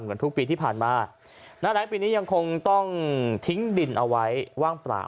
เหมือนทุกปีที่ผ่านมาหน้าแรงปีนี้ยังคงต้องทิ้งดินเอาไว้ว่างเปล่า